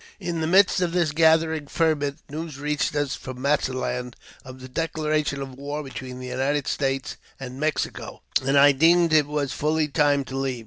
In the midst of this gathering ferment, news reached us from Mazatlan of the declaration of war between the United States and Mexico, and I deemed it was fully time to leave.